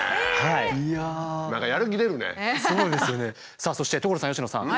さあそして所さん佳乃さん。